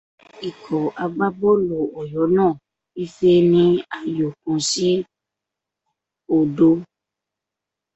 Ikọ̀ agbá bọ́ọ́lù Ọ̀yọ́ ná Ifẹ ni ayò kan sí òdo.